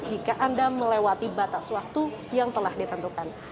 jika anda melewati batas waktu yang telah ditentukan